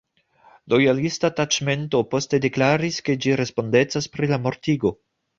Lojalista taĉmento poste deklaris, ke ĝi respondecas pri la mortigo.